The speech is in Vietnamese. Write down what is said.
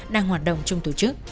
đang hoạt động trong tổ chức